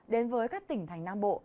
đến với các tỉnh thành nam bộ